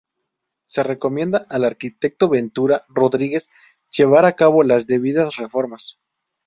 Se encomienda al arquitecto Ventura Rodríguez llevar a cabo las debidas reformas.